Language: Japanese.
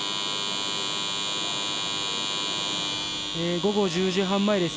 午後１０時半前です。